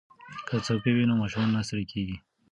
که څوکۍ وي نو ماشوم نه ستړی کیږي.